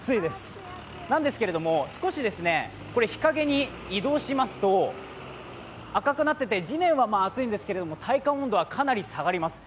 そうなんですけれども、少し日陰に移動しますと赤くなっていて、地面は熱いんですけれども体感温度はかなり下がります。